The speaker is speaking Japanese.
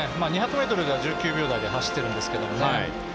２００ｍでは１９秒台で走ってるんですけどね。